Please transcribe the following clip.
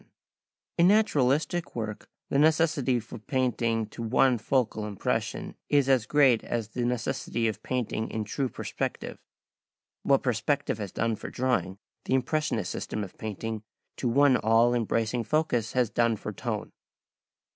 Photo Anderson] In naturalistic work the necessity for painting to one focal impression is as great as the necessity of painting in true perspective. What perspective has done for drawing, the impressionist system of painting to one all embracing focus has done for tone.